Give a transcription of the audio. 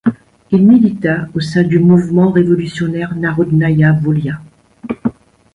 Il milita au sein du mouvement révolutionnaire Narodnaïa Volia.